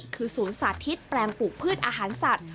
คือศูนย์สาธิตแปลงปลูกพืชอาหารสัตว์